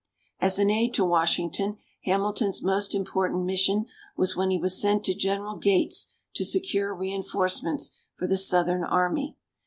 As an aide to Washington, Hamilton's most important mission was when he was sent to General Gates to secure reinforcements for the Southern army.